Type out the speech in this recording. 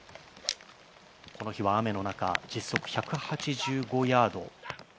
この日は雨の中、実測１８５ヤード。